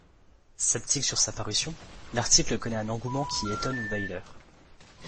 Sceptique sur sa parution, l'article connaît un engouement qui étonne Weiler.